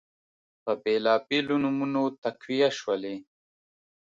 په بیلابیلو نومونو تقویه شولې